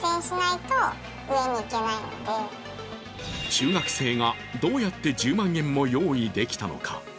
中学生が、どうやって１０万円も用意できたのか。